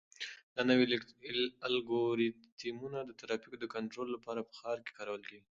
دا نوي الګوریتمونه د ترافیکو د کنټرول لپاره په ښارونو کې کارول کیږي.